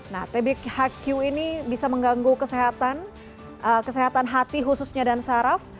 nah tbhq ini bisa mengganggu kesehatan hati khususnya dan saraf